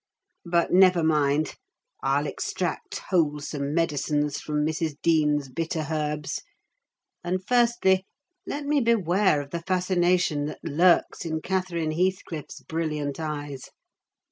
But never mind! I'll extract wholesome medicines from Mrs. Dean's bitter herbs; and firstly, let me beware of the fascination that lurks in Catherine Heathcliff's brilliant eyes.